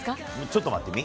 ちょっと待ってみ。